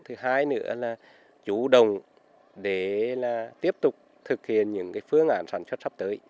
thứ hai nữa là chủ động để tiếp tục thực hiện những phương án sản xuất sắp tới